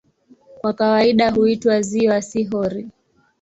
Kwa kawaida huitwa "ziwa", si "hori".